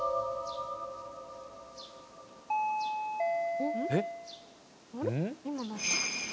「えっ？」